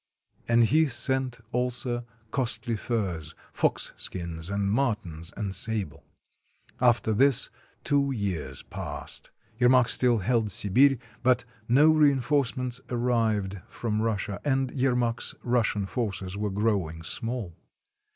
And he sent also costly furs, — foxskins and martens and sable. After this two years passed. Yermak still held Sibir, but no reinforcements arrived from Russia, and Yer mak's Russian forces were growing small.